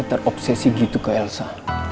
saya terobsesi gitu ke elsa